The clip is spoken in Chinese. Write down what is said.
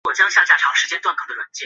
游客中心